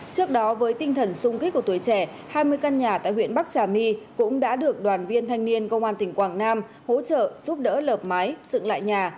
trước đó với tinh thần sung kích của tuổi trẻ hai mươi căn nhà tại huyện bắc trà my cũng đã được đoàn viên thanh niên công an tỉnh quảng nam hỗ trợ giúp đỡ lợp mái dựng lại nhà